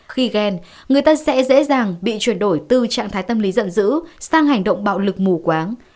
khi ghen người ta sẽ dễ dàng bị chuyển đổi từ trạng thái tâm lý giận dữ sang hành động bạo lực mù quáng